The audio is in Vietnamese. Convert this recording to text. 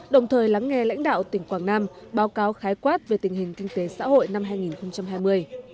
đồng thời lắng nghe lãnh đạo tỉnh quảng nam báo cáo khái quát về tình hình kinh tế xã hội năm hai nghìn hai mươi